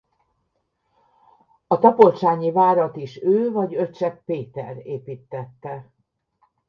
A tapolcsányi várat is ő vagy öccse Péter építtette.